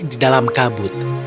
di dalam kabut